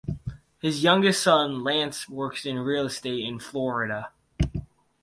His youngest son Lance works in real estate in Florida.